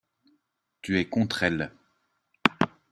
Tu es contre elles.